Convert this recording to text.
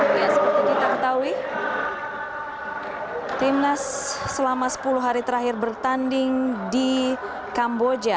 ya seperti kita ketahui timnas selama sepuluh hari terakhir bertanding di kamboja